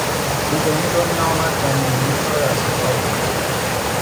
او به این دنیا آمد تا مومنین را رستگار کند.